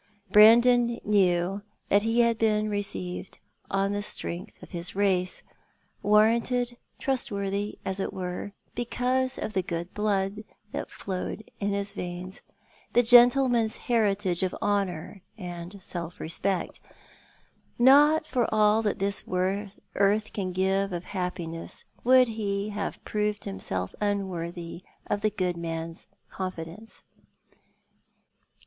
Brandon kuew that he had been received on the strength of his race ; warranted trustworthy, as it were, because of the good blood that flowed in his veins, the gentleman's heritage of honour and self respect. Not for all that this earth can give of happi ness would he have proved himself unworthy of the good man's confidence.